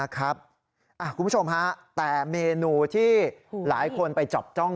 คุณผู้ชมฮะแต่เมนูที่หลายคนไปจับจ้อง